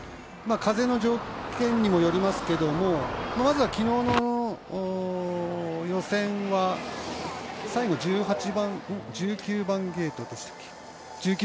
風の条件にもよりますがまずは昨日の予選は最後１９番ゲートでしたっけ。